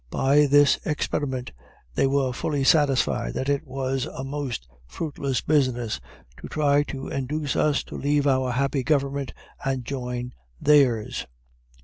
By this experiment they were fully satisfied that it was a most fruitless business to try to induce us to leave our happy government and join theirs.